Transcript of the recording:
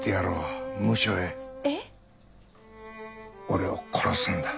俺を殺すんだ。